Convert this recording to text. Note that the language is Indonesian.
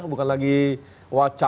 bukan lagi wacah